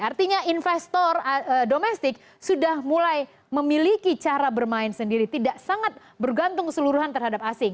artinya investor domestik sudah mulai memiliki cara bermain sendiri tidak sangat bergantung keseluruhan terhadap asing